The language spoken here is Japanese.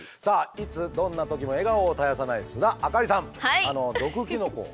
どんな時も笑顔を絶やさない須田亜香里さん毒キノコ？